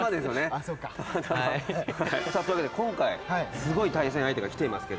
あっそうか。というわけで今回すごい対戦相手が来ていますけども。